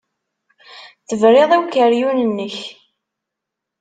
Tebriḍ i ukeryun-nnek.